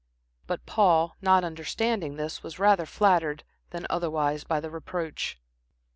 But Paul, not understanding this was rather flattered than otherwise by the reproach.